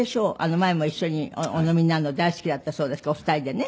前も一緒にお飲みになるの大好きだったそうですけどお二人でね。